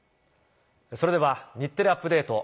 それでは『日テレアップＤａｔｅ！』